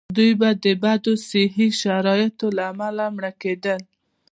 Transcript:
دوی به د بدو صحي شرایطو له امله مړه کېدل.